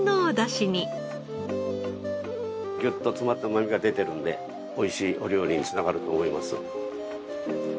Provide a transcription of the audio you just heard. ぎゅっと詰まったうまみが出てるので美味しいお料理につながると思います。